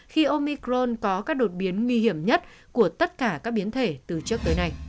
khi omicron có các đột biến nguy hiểm nhất của tất cả các biến thể từ trước tới nay